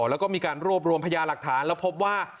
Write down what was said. แล้วก็มีการรวบรวมพยาหลักฐานแล้วพบว่า